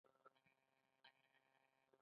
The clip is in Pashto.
مغذي مواد د زړه روغتیا ته ګټه رسوي.